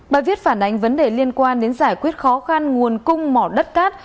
bài viết phản ánh vấn đề liên quan đến giải quyết khó khăn nguồn cung mỏ đất cát